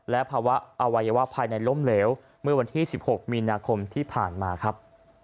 และภาวะอวัยวะภายในล้มเหลวเมื่อวันที่๑๖มีนาคมที่ผ่านมาครับ